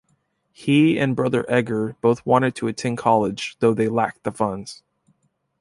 He and brother Edgar both wanted to attend college, though they lacked the funds.